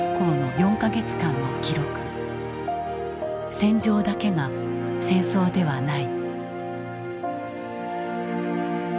戦場だけが戦争ではない。